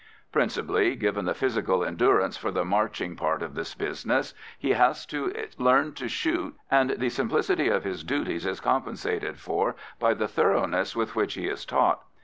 Principally, given the physical endurance for the marching part of the business, he has to learn to shoot, and the simplicity of his duties is compensated for by the thoroughness with which he is taught.